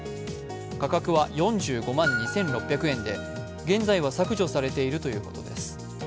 価格は４５万２６００円で、現在は削除されているということです。